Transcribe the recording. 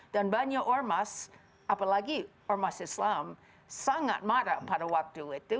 banyak ormas apalagi ormas islam sangat marah pada waktu itu